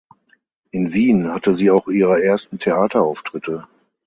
In Wien hatte sie auch ihre ersten Theaterauftritte.